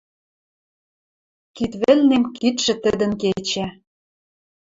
Кид вӹлнем кидшӹ тӹдӹн кечӓ...